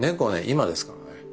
今ですからね。